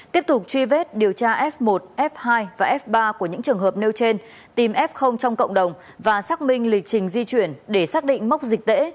tiếp tục truy vết điều tra f một f hai và f ba của những trường hợp nêu trên tìm f trong cộng đồng và xác minh lịch trình di chuyển để xác định mốc dịch tễ